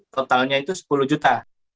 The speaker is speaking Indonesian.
totalnya itu sepuluh juta